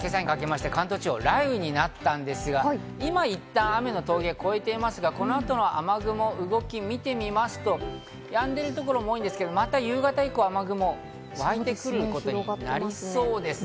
昨夜から今朝にかけまして関東地方、雷雨になったんですが、今いったん雨の峠を越えていますが、この後の雨雲の動きを見てみますと、やんでいるところも多いですが、夕方以降また雨雲がわいてくることになりそうです。